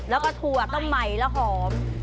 แล้วก็ถั่วก็ใหม่แล้วหอม